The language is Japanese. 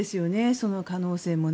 その可能性もね。